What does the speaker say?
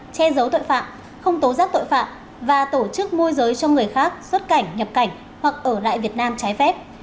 che giấu tội phạm không tố giác tội phạm và tổ chức môi giới cho người khác xuất cảnh nhập cảnh hoặc ở lại việt nam trái phép